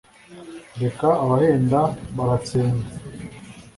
Reka Abahenda baratsembwe